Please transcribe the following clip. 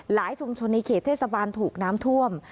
ชุมชนในเขตเทศบาลถูกน้ำท่วม